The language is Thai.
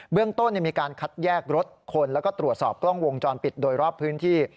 เรื่องต้นมีการคัดแยกรถคนแล้วก็ตรวจสอบกล้องวงจรปิดโดยรอบพื้นที่